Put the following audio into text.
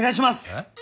えっ？